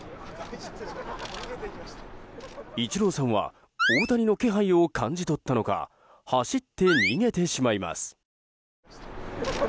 イチローさんは大谷の気配を感じ取ったのか走って逃げてしまいます。